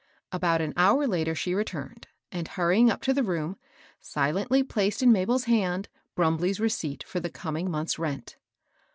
About an hour later she returned, and hurrying up to the room, silently placed in Mabel's hand, Brumbley's receipt for the coming month's rent.